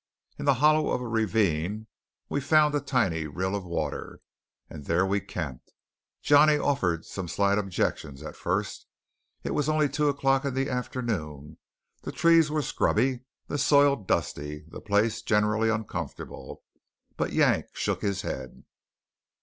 In the hollow of a ravine we found a tiny rill of water, and there we camped. Johnny offered some slight objections at first. It was only two o'clock of the afternoon, the trees were scrubby, the soil dusty, the place generally uncomfortable. But Yank shook his head.